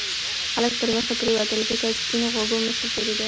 خلک پرمخې پرېوتل ځکه سپین غوږو مشر تېرېده.